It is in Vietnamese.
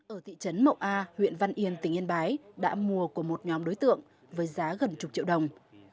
ở thị trấn mậu a huyện văn yên tỉnh yên bái đã mua của một nhóm đối tượng với giá gần chục triệu đồng